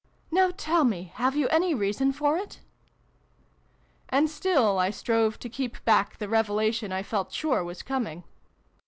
" Now tell me, have you any reason for it ?" And still I strove to keep back the revela tion I felt sure was coming.